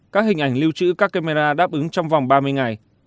các hình ảnh lưu trữ các camera đáp ứng trong vòng ba mươi ngày